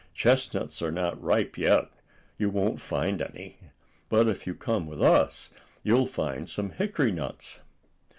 Chestnuts are not ripe yet. You won't find any. But, if you come with us, you'll find some hickory nuts."